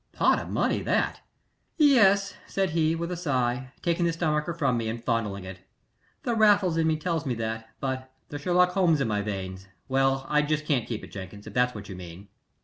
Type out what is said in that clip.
"Pot of money that!" "Yes," said he, with a sigh, taking the stomacher from me and fondling it. "The Raffles in me tells me that, but the Sherlock Holmes in my veins well, I can't keep it, Jenkins, if that is what you mean."